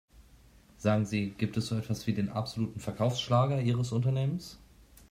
Sagen Sie, gibt es so etwas wie den absoluten Verkaufsschlager ihres Unternehmens?